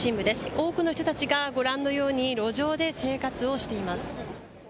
多くの人たちがご覧のように路上で生活をしています。